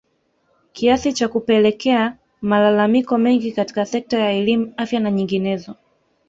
kiasi cha kupelekea malalamiko mengi katika sekta ya elimu afya na nyinginezo